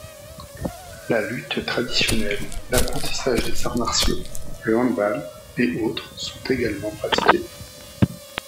La lutte traditionnelle, l’apprentissage des arts martiaux, le handball et autres sont également pratiquées.